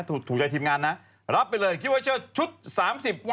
ถูกใจทีมงานนะครับรับไปเลยคิวโปรเชอร์ชุดสามสิบ